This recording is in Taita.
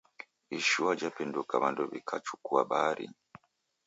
Ishua jhapinduka w'andu w'ikachukua baharinyi